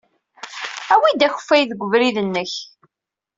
Awi-d akeffay deg ubrid-nnek.